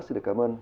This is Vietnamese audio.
xin được cảm ơn